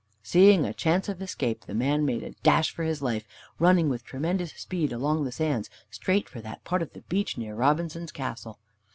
Seeing a chance of escape, the man made a dash for his life, running with tremendous speed along the sands straight for that part of the beach near Robinson's castle.